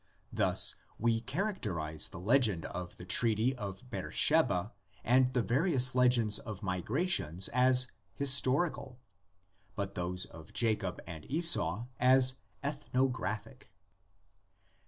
Thus we characterise the legend of the treaty of Beersheba and the various legends of migrations as "historical," but those of Jacob and Esau as "ethnographic."